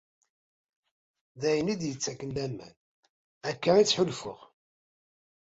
D ayen i d-yettaken laman. Akka i ttḥulfuɣ.